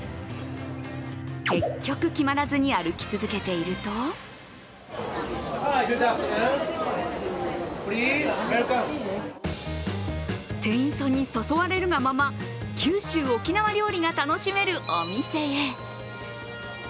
結局、決まらずに歩き続けていると店員さんに誘われるがまま九州・沖縄料理が楽しめるお店へ。